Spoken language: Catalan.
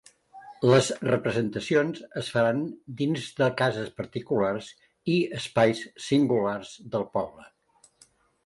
Les representacions es faran dins de cases particulars i espais singulars del poble.